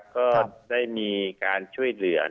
ก็ได้มีการช่วยเหลือ